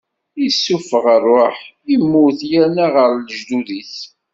Issufeɣ ṛṛuḥ, immut, yerna ɣer lejdud-is.